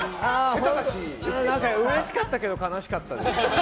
うれしかったけど悲しかったです。